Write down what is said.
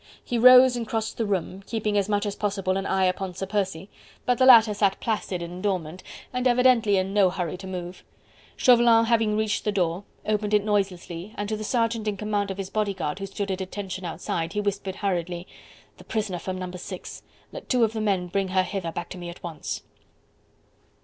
He rose and crossed the room, keeping as much as possible an eye upon Sir Percy, but the latter sat placid and dormant and evidently in no hurry to move. Chauvelin having reached the door, opened it noiselessly, and to the sergeant in command of his bodyguard who stood at attention outside, he whispered hurriedly: "The prisoner from No. 6.... Let two of the men bring her hither back to me at once."